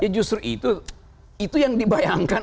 justru itu itu yang dibayangkan